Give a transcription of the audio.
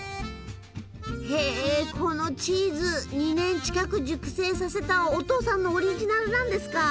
へこのチーズ２年近く熟成させたお父さんのオリジナルなんですか。